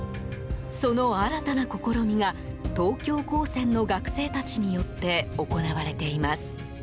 その新たな試みが東京高専の学生たちによって行われています。